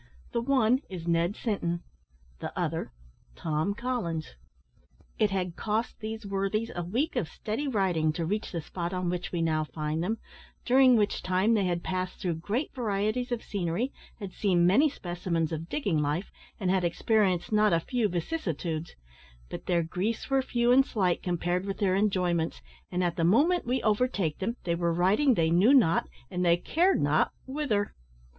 The one is Ned Sinton, the other Tom Collins. It had cost these worthies a week of steady riding, to reach the spot on which we now find them, during which time they had passed through great varieties of scenery, had seen many specimens of digging life, and had experienced not a few vicissitudes; but their griefs were few and slight compared with their enjoyments, and, at the moment we overtake them, they were riding they knew not and they cared not whither!